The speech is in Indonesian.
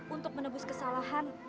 untuk menebus kesalahan